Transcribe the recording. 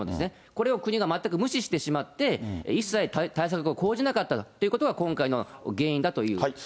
これを国が全く無視してしまって、一切、対策を講じなかったということが今回の原因だという。